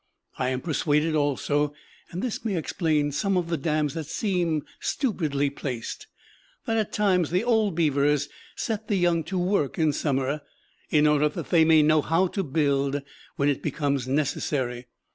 I am persuaded also (and this may explain some of the dams that seem stupidly placed) that at times the old beavers set the young to work in summer, in order that they may know how to build when it becomes necessary.